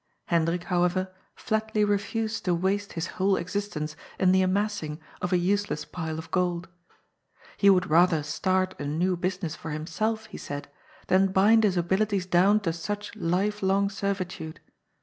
Hendrik, however, flatly refused to waste his whole existence in the amassing of a useless pile of gold. He would rather start a new business for himself, he said, than bind his abilities down to such life long servitude.